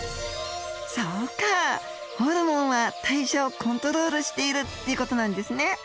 そうかホルモンは代謝をコントロールしているっていう事なんですね。